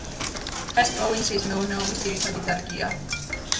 ეს პროვინციის მეურნეობის ძირითადი დარგია.